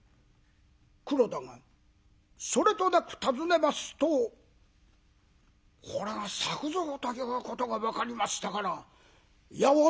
黒田がそれとなく尋ねますとこれが作蔵ということが分かりましたからいや驚いた三右衛門。